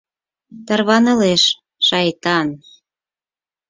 Тарванылеш, шайтан!